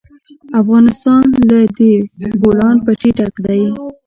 افغانستان له د بولان پټي ډک دی.